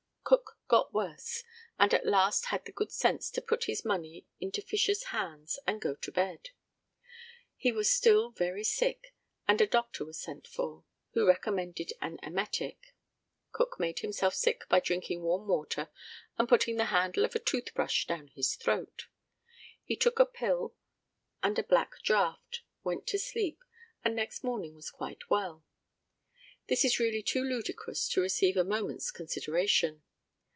Cook got worse, and at last had the good sense to put his money into Fisher's hands and go to bed. He was still very sick, and a doctor was sent for, who recommended an emetic. Cook made himself sick by drinking warm water and putting the handle of a toothbrush down his throat. He took a pill and a black draught, went to sleep, and next morning was quite well. This is really too ludicrous to receive a moment's consideration.